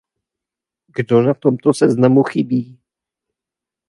Kdo na tomto seznamu chybí?